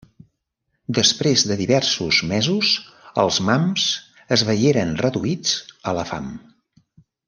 Després de diversos mesos, els mams es veieren reduïts a la fam.